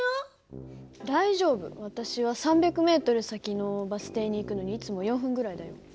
私は３００ｍ先のバス停に行くのにいつも４分ぐらいだよ。